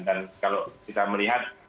dan kalau kita melihat